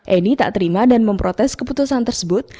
eni tak terima dan memprotes keputusan tersebut